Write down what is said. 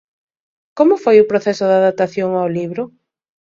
Como foi o proceso de adaptación ao libro?